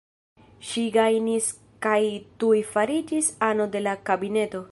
Ŝi gajnis kaj tuj fariĝis ano de la kabineto.